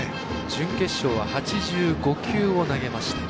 準決勝は８５球を投げました。